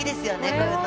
こういうの。